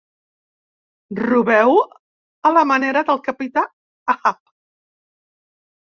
Robeu a la manera del capità Ahab.